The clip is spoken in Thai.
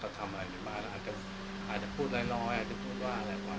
เขาทำอะไรอย่างนี้มาแล้วอาจจะพูดอะไรร้อยอาจจะพูดว่าอะไรกว่า